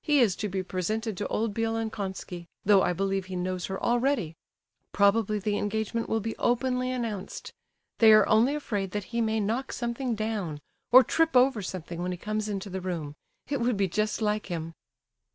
He is to be presented to old Bielokonski, though I believe he knows her already; probably the engagement will be openly announced. They are only afraid that he may knock something down, or trip over something when he comes into the room. It would be just like him."